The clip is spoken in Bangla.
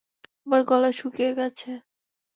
আমার গলা শুকিয়ে গেছে।